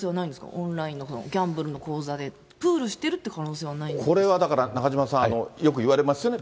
オンラインの、ギャンブルの口座で、プールしてるっていう可能性これはただ、中島さん、よく言われますよね。